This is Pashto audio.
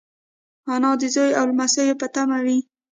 انا د زوی او لمسيو په تمه وي